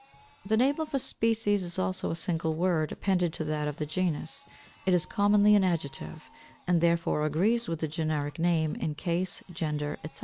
= The name of a species is also a single word, appended to that of the genus. It is commonly an adjective, and therefore agrees with the generic name in case, gender, etc.